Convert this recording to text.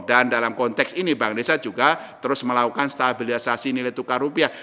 dan dalam konteks ini bank indonesia juga terus melakukan stabilisasi nilai tukar rupiah